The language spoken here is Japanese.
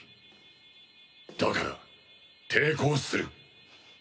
だから抵抗する。